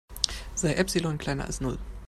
Sei Epsilon kleiner als Null.